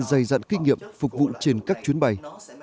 dày dặn kinh nghiệm phục vụ trên các chuyến bay